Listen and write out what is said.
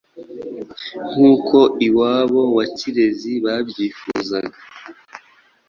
nk’uko iwabo wa Kirezi babyifuzaga.